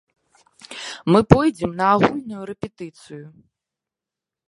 Мы пойдзем на агульную рэпетыцыю.